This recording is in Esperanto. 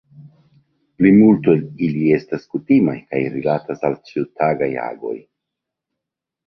Plimulto el ili estas kutimaj kaj rilatas al ĉiutagaj agoj.